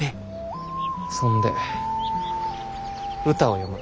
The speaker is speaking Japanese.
そんで歌を詠む。